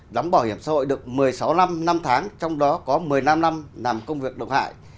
đóng bảo hiểm xã hội được một mươi sáu năm năm tháng trong đó có một mươi năm năm làm công việc độc hại